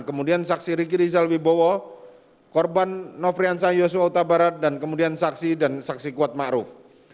kemudian saksi riki rizal wibowo korban nofrian syah yosua huta barat dan kemudian saksi dan saksi kuat ma'ruf